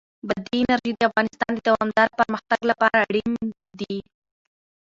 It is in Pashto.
بادي انرژي د افغانستان د دوامداره پرمختګ لپاره اړین دي.